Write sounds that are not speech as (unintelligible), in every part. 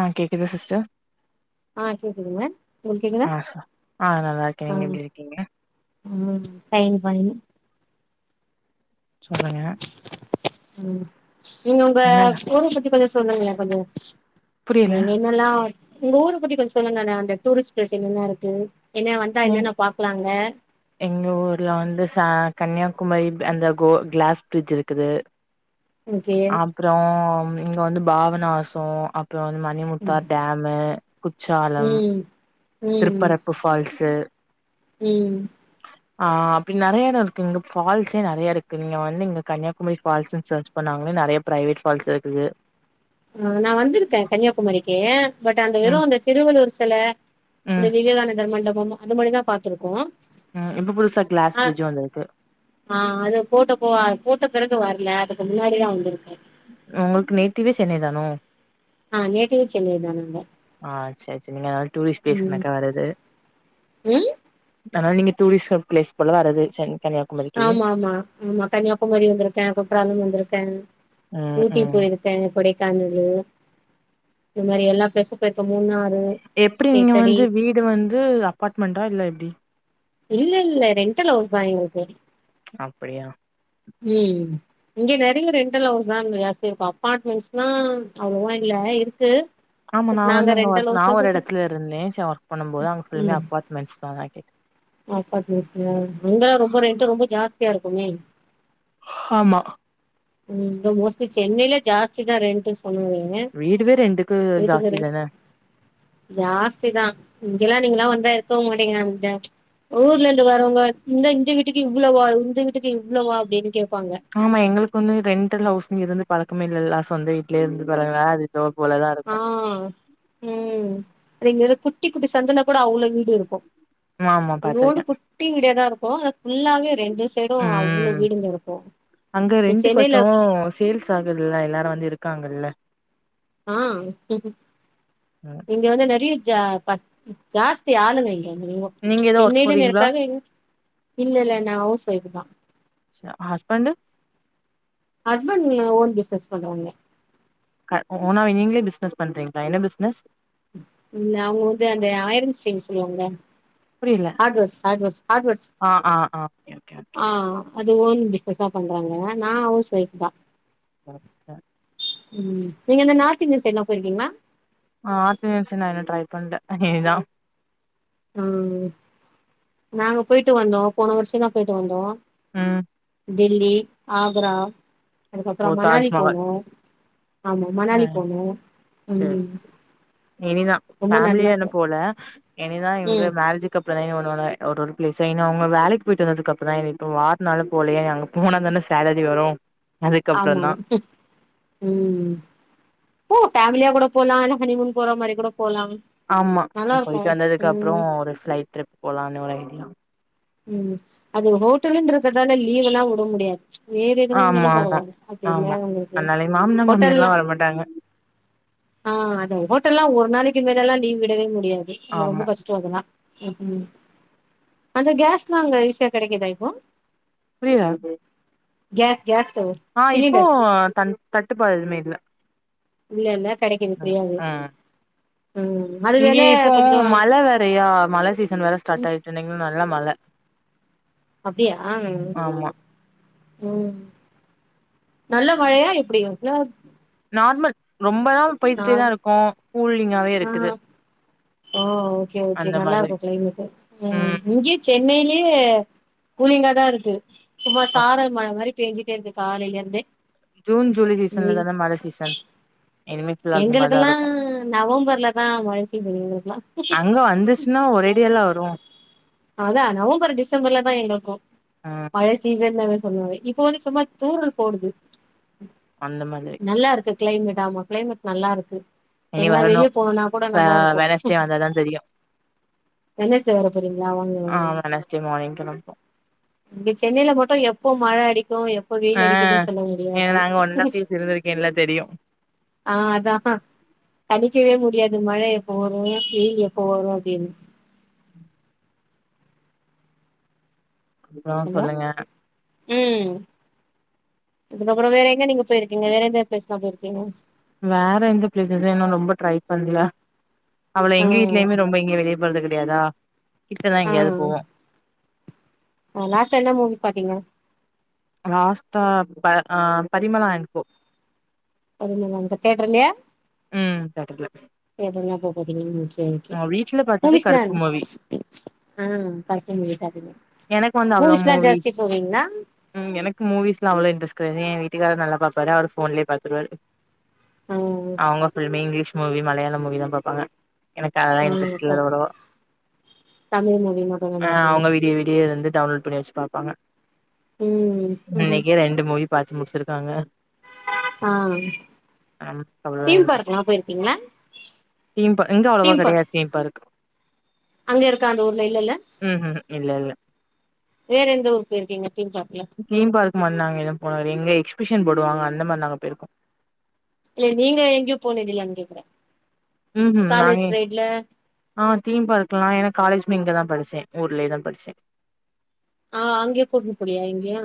ஆ கேக்குது சிஸ்டர் ஆ கேக்குதுங்க உங்களுக்கு கேக்குதா ஆ சார் ஆ நல்லா இருக்கே ஆ நீங்க எப்டி இருக்கீங்க ம் சைன் பண்ணு சொல்லுங்க ம் நீங்க உங்க என்ன ஃபோன பத்தி கொஞ்ச சொல்லுங்ளே கொஞ்சோ புரியல நீங்க இன் நல்லா உங்க ஊர பத்தி கொஞ்ச சொல்லுங்கன்னா அந்த டூரிஸ்ட் பிளேஸ்ஸு என்னென்ன இருக்கு என்ன வந்தா எங் என்னென்ன பாக்கலா அங்க எங்க ஊரல வந்து ச கன்னியாகுமரி அந்த கோ க்ளாஸ் ப்ரிட்ஜு இருக்குது ஓகே என் அப்றோ இங்க வந்து பாவநாசோ அப்பறோ வந்து ம ம் மணிமுத்தார் டேமு குட்றாலம் ம் ம் திருப்புறப்போ ஃபால்ஸு ம் ஆ அப்டி நெறையா தா இருக்கு இங்க பால்ஸே நெறையா இருக்கு நீங்க வந்து இங்க கன்னியாகுமரி ஃபால்ஸ்ன்னு சர்ச் பண்ணாங்களே நெறையா ப்ரைவேட் ஃபால்ஸ் இருக்குது ஆ நா வந்துருக்கே கன்னியாகுமரிக்கு பட் அந்த வெறு ம் அந்த திருவள்ளூர் செல அந்த ம் விவேகானந்தர் மண்டபம் அது மாதிரிதா பாத்துருக்கோ ம் இப்ப புதுசா க்ளாஸ் ஆ பிரிட்ஜ் ஒன்னு இருக்கு ஆ அது போட்டப்போ அ போட்ட பெறகு வர்ல அதுக்கு முன்னாடிதா வந்துருக்கே ஒங்களுக்கு நேட்டிவ்வே சென்னை தானா ஆ நேட்டிவ் சென்னை தானுங்க ஆ சேர் செர் நீங்க டூரிஸ்ட் பிலேஸ்னக்கா வருது ம் ஆனா நீங்க டூரிஸ்டர் பிளேஸ் ஒண்ணு வராது சென் சென்னைல ஆமா ஆமா ஆமா கன்னியாகுமரி வந்துருக்கே குற்றாலம் வந்துருக்கேன் ம் ஊட்டி ம் போயிருக் க கொடைக்கானலு இந்த மாரி எல்லா பிளேசும் போயிருக்க மூணாறு எப்டி நீங்க தேக்கடி வந்து வீடு வந்து அப்பார்ட்மெண்ட்டா இல்ல எப்டி இல்லல்ல ரெண்டல் ஹவுஸ் தா எங்கள்க்கு அப்படியா ம் இங்க நெறைய ரெண்டல் ஹவுஸ் தான் எல்லார்ட்டையு இருக்கும் அபார்ட்மெண்ட்ஸ்னா அவ்வளவா இல்ல இருக்கு ஆமா பட் நாங்க நாவந்து அங்க ரெண்டல் ஒர்க் நா ஹவுஸ்ல தான் ஒரு இருக்கோம். எடத்துல இருந்தேன் சோ ஒர்க் பண்ணும் போது அங்க ஃபுல்லுமே அபார்ட்மெண்ட்ஸ் தா அதா கேட் அப்பார்ட்மெண்ட்ஸ்லயா அங்கல்லா ரொம்ப ரேட்டு ரொம்ப ஜாஸ்தியா இருக்குமே ஹாமா ம்ம் இங்க மோஸ்ட்லி சென்னைல ஜாஸ்திதா ரெண்டல்ஸ் சொல்லுங்க வீடுமே ரெண்டுக்கு ஜாஸ்தி தான ஜாஸ்திதா இங்கெல்லா நீங்களா வந்தா இருக்கவு மாட்டிங்க இங்க ஊர்லேந்து வரவங்க இந்த இந்த வீட்டுக்கு இவ்ளோவா இந்த வீட்டுக்கு இவ்ளோவா அப்டினு கேப்பாங்க ஆமா எங்களுக்கு வந்து ரெண்டல் ஹவுஸ்ன் இருந்து பழக்கமே இல்லயா சொந்த வீட்ல இருந்து பழக தோ போலதா ஆ இருக்கும் ம் அதேமாறி குட்டி குட்டி சந்துள கூட அவ்ளோ வீடு இருக்கும் ம் ஆமா பா ரோடு குட்டி லேயர்தா இருக்கும் அது ஃபுல்லாவே ரெண்டு சைடும் அவ்ளோ ம் வீடுங்க இருக்கும் அங்க ரெண்டு கொசோ சேல்ஸ் ஆகுதுல்ல எல்லாரு வந்து இருக்காங்கல்ல ஆ இங் ம் இந்த வந்து நெறய ஜா ஜாஸ்தி ஆளுங்க இங்க தெரிமோ நீங்க எதோ ஒர்க் சென்னையிலன் போறீங்களா எடுத்தாலே ம் இல்ல இல்ல நா ஹவுஸ் வைஃப்தா ஜ ஹஸ்பன்டு ஸ்பண்ட் இங்க ஓன் பிஸ்னஸ் பண்றாங்க க ஓனா நீங்களே பிஸ்னஸ் பண்றீங்களா என்ன பிஸ்னஸ் ம் அவங்க வந்து அந்த அயரிங் ஸ்டீல் சொல்லுவாங்கல புரியல ஹார்ட்வேர்ஸ் ஹார்ட்வேர்ஸ் ஹார்ட்வேர்ஸ் ஆ ஆ ஆ ஓகே ஓகே ஆ அது ஓன் பிஸ்னஸா பண்றாங்க நா ஹவுஸ் வைஃப் தா வேற ம் நீங்க இந்த நார்த் இந்தியன் சைட்லாம் போயிருக்கீங்களா ஆ ஆர்த்ந்தியன்ஸ் நானு ட்ரை பன்ல இங்கயேதா ம் நாங்க போயிட்டு வந்தோம் போன வருஷோம் தா போயிட்டு வந்தோம் ம் டில்லி ஆகரா ஓ அதுக்கப்புறம் மணாலி தாஜ்மஹால் போனோம் ஆமா மணாலி போனோம் சேர் எனைதா ரொம்ப பேமிலியானு நல்லாக்கு போல எனைதான் இவங்க ம் மேரேஜக்கு அப் இப்ப தா ஒன்னு ஒன்னு ஒரு ஒரு பிளேஸ்சா ஏன்னா அவ்ங்க வேலைக்கு போயிட்டு வந்ததுக்கு அப்றோ இப்பும் வாறுனால போல யா போனா தான சேலரி வரும் ஆமா ம் ஓ ஃபேமிலியா கூட போலா இல்ல ஹனிமூன் போற மாரி கூட போலாம் ஆமா உ போய்ட்டு வந்ததுக்கப்றோ ஒரு ஃபிளைட் ட்ரிப் போலானு ஒரு ஐடியா உம் அது ஹோட்டலுன்றதுதால லீவ் எல்லா உட முடியாத் வேற எதுன இர்ந்தாலு ஆமா ஆமா பரவால் அப்டி இல்ல ஆமா உங்கள்க்கு அதனாலே மாமனா மாமியார்லா ஹோட்டலில்லா வரமாட்டாங்க (inaudible) ஆ அத ஹோட்டல்லா ஒர் நாளிக்கு இங்கலெல்லா லீவ் விடவே முடியாது இங்க ரொம்ப ஆமா கஷ்டோ அதுல்லா ம்உ அந்த கேஸ் நாங்க ஈஸ்யா கடைக்கிதா இப்போ புரியல அது கேஸ் கேஸ் ஸ்டவ்வு ஆ இப்போ தன் தட்டுப்பா எதுமே இல்ல இல்லல்ல கடைக்கிது ஃப்ரீயாவு ம் அது வெல இங்யோ இப்போ கொஞ்சோ மழ வேறயா மழை சீசன் வேற ஸ்டாட் ம் ஆய்ட்டு நீங்ளு நல்லா மழ அப்டியா ஆனுன் ஆமா ம் நல்ல மழையா எப்டி அட்லார் நார்மல் ரொம்ப நாம் போய்துட்டே தா நார்மல் இருக்கோ கூல்லிங்காவே ஆ இருக்குது ஓ ஓகே ஓகே அந்த மாதிரி நல்லார்க்கு க்ளைமேட்டு ம் இங்க்யே சென்னைய்லியே கூலிங்காதா இருக்கு சும்மா சாரல் மழ மாரி பேஞ்சிட்டே இருக்கு காலைல்யா இருந்தே ஜூன் ஜூலை சீசன்ல தான மழ சீசன் இனிமே ஃபுல்லா அந்த மாரிதா எங்களுக்கல்லா இருக்கு நவம்பர்லதா மழை சீசன் எங்களுக்லா நு அந்திஸ் னா ஒரேடியாலா வரு அதா நவம்பர் டிசம்பர்ல தா எங்கள்க்கு ம் மலைஸ் சீசன்லவே சொல்லுவே இப்போ வந்து ச்சும்மா தூரல் போடுது அந்த மாதிரி நல்லா இருக்கு க்ளைமேட் ஆமா க்ளைமேட் நல்லாருக்கு இனி எங்கனா வரணு வெளியே போவேனா கூட ஆ நல்லா இருக்கோ வெனஸ்டே வந்தாதா தெரியு என்ன சி வர போதுங் அவங் ஆ கங் வெனஸ்டே மார்னிங் கெளம் இங்க சென்னைய்ல மட்டு எப்போ மழ அடிக்கு எப் போ ஆ வெயில் அடிக்கவே சொல்ல ஏ முடியாது நாங்க ஒன் அண்ட் ஆஃப் இயர்ஸ் இருந்திருக்கேன்ல தெரியு ஆ அதா தனிக்கவே முடியாது மழே எப்போ வரு வெயில் எப்ப வரு அப்டின் இப்போ ஹலோ சொல்லுங்க ம் அதுக்கப்றோ வேற எங்க நீங்க போய்ர்க்கீங்க வேற எந்த ப்ளேஸ்லா போய்ர்க்கீங்க வேற எந்த ப்ளேஸ் எதென்னு ரொம்ப ட்ரை பண்ல அவள எங்கி வீட்லியுமே ரொம்ப எங்யு வெளிய போறது கெடையாதா கிட்டதா ஆ எங்யாவ்து போவோ ஆ லாஸ்ட்டா என்ன மூவி பாத்தீங்க ராஸ்த்தா ப அ பரிமளா அன் கோ (unintelligible) தேட்றல்யேம் ம் தாட்டர்ல எதனா போ போதிங் நூக்யா ஓகே அ வீட்ல பாத்தது கருப்பு ஊவிஸ்லான் மூவி ஆ பக்கி மூடிட் அதுமே எனக்கு வந்து அவ்ளோ பூவிஸ்லா ஜாஸ்த்தி மூவிஸ் போவிங்னம் ம் எனக் மூவிஸ்லா அவ்ள இன்ட்ரஸ் கையா ஏ வீட்டுக்காரர் நல்லா பாப்பாரு அவர் ஃபோன்லே பாத்துருவாரு அவ்ங்க filmi English movie Malayalam movie தா பாப்பாங்க எனக் அதெல்லா இன்ட்ரஸ்ட் இல்ல லவ்லவோ தமிழ் மூவி மட்டுந்தா ஆ பாப்பீங்க அவங்க விடிய விடியலுந்து டவுன்லோட் பண்ணி வச் பாப்பாங்க ம் ம் இன்னைக்கே ரெண்டு மூவி பாத்து முடிச்சிர்க்காங்க ஆ தீம் பார்க்லா போயிருக்கீங்ளா இம்ப இங்க அவ்ளோவா தீம் பார்க் கெடையாது தீம் பார்க்கு அங்க இருக்கா அந்த ஊர்ல இல்லல ம்ஹூம் இல்ல இல்ல வேற எந்த ஊருக்கு போயிருக்கீங்க தீம் பார்க்குல தீம் பார்க் மாரி நாங்க எது போனதில்ல இங்க எக்ஸ்பிஷன் போடுவாங்க அந்த மாரி நாங்க போயிருக்கோ இல்ல நீங்க எங்கயு போனதில்லயானு கேக்குற ம் ம் நானே ஆ தீம் பார்க்கலா ஏனா காலேஜுமே இங்கதா படிச்சே ஊர்லயே தா படிச்சே ஆ அங்கயே கூட்னு போலையா எங்கயு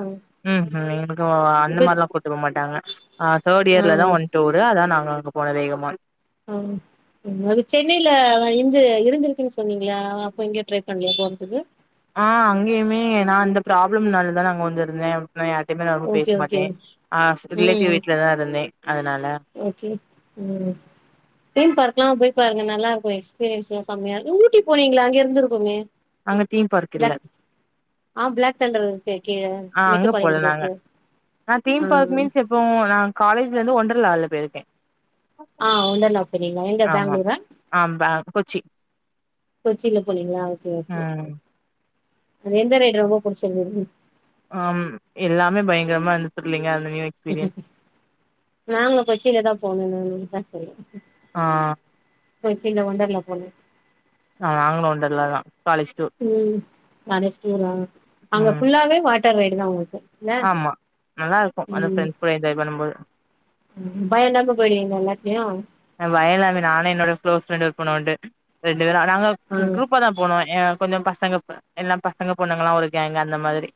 ம் ம் எங்களுக்கு அந்த இப்ப மார்லா கூட்டு போ மாட்டாங்க ஆ தேர்ட் ஆ இயர்லதா ஒன் டூரு அதா நாங்க அங்க போன வேகமா ம் அது சென்னைல வ இருந்து இருந்திருக்குன் சொன்னீங்ளா அப்ப எங்கயு ட்ரை பண்லயா போறதுக்கு ஆ அங்கயுமே நா அந்த ப்ராப்ளம்னால தான அங்க வந்து இருந்தே நா யார்ட்டைமே நா ரொம்ப பேச ஓகே ஓகே மாட்டே ஆஸ் ரிலேட்டிவ் ம் வீட்ல தா இருந்தே அதனால ஓகே ம் தீம் பார்க்லா போய் பாருங்க நல்லாருக்கு எக்ஸ்பீரியன்ஸ்லா செம்மையா இருக் ஊட்டி போனீங்ள அங்க இருந்துருக்குமே அங்க தீம் பார்க் இல்ல ஆ பிளாக் தண்டர் இருக்கே கீழ ஆ அங்க போல மேட்டுபாளையம்க்கு போய்ருக்கே ஆ அப்றோ நா காலேஜ்லருந்து ஒன்டர்லாவ்ல போயிருக்கே ஆ ஒண்டர்லா போறீங்ளா எங்க ஆமா பேங்ளூரா ஆ பே கொச்சி கொச்சில போனீங்ளா ஓகே ஓகே ம் அது எந்த ரைட் ரொம்ப புடிச்சிருந்தது ஆம் எல்லாமே பயங்கரமா இருந்துச்சு த்ரில்லிங்க அந்த நாங்களு கொச்சின்ல தா போணு இந்த லீவுக்காச்சு ஆ கொச்சின்ல ஒண்டர்லா போனு ஆ நாங்களு ஒண்டர்லா தா காலேஜ் டூர் ம் காலேஜ் டூரா அங்க ம் ஃபுல்லாவே வாட்டர் ரைடு தா உங்களுக்கு இல்ல ஆமா நல்லாருக்கு வந்து ஃப்ரெண்ட்ஸ் கூட என்ஜாய் பண்ணும்போது ம் பய இல்லாம போய்டுவிங்ளா எல்லாத்துலையு அ பயோலா இல்ல நானு என்னோட க்ளோஸ் ஃப்ரெண்டு போனோ உண்டு ரெண்டு பேரு நாங்க ஆ ம் குரூப்பாதா போனோ ஏ கொஞ்ச பசங்க இப்ப எல்லா பசங்க பொண்ணுங்கலா ஒரு கேங்கு அந்த மாதிரி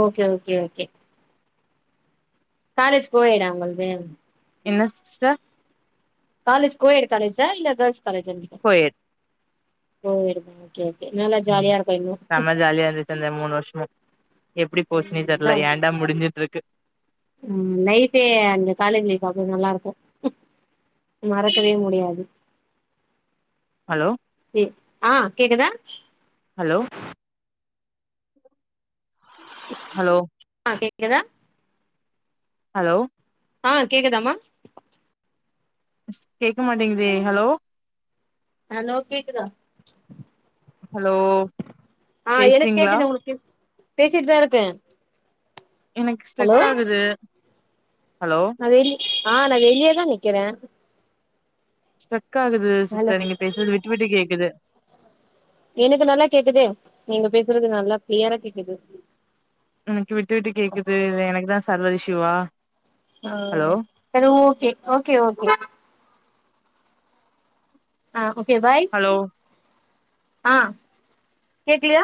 ஓகே ஓகே ஓகே காலேஜ் கோயடா உங்கள்து என்ன சிஸ்டர் காலேஜ் கோயடு காலேஜா இல்ல கேர்ள்ஸ் காலேஜான் கே கோயட் கோயடுதானா ம் செம்ம ஜாலியா இருந்துச்சு அந்த மூணு வர்ஷமு எப்டி போச்சுனே ம் தெர்ல அதா ஏன்டா முடிச்சுட்ருக்கு ம் லைபே அந்த காலேஜ் லைஃப் பாக்க நல்லா இருக்கு மறக்கவே முடியாது ஹலோ எ ஆ கேக்குதா ஹலோ ஹலோ ஆ கேக்குதா ஹலோ ஆ கேக்குதாமா கேக்க மாட்டிங்குதே ஹலோ ஹலோ கேக்குதா ஹலோ ஆ எனக்கு பேசுறீங்களா கேக்குது உங்களுக்கு கேக் பேசிட்டு தா இருக்கேன் எனக்கு ஸ்ட்ரெக் ஆகுது ஹலோ வெளி ஆ நான் வெளியேதான் நிக்கறே ஸ்ட்ரெக் ஆகுது ஹலோ சிஸ்டர் நீங்க பேசுறது விட்டு விட்டு கேக்குது எனக்கு நல்லா கேக்குதே நீங்க பேசுறது நல்லா கிளியரா கேக்குது எனக்கு விட்டு விட்டு கேக்குது எனக்கு தா சர்வர் இஸ்யூவா ஆ சரி ஓகே ஓகே ஓகே ஆ ஓகே பாய் ஹலோ ஆ கேக்லியா